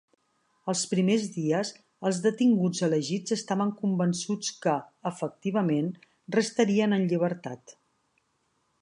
Els primers dies, els detinguts elegits estaven convençuts que, efectivament, restarien en llibertat.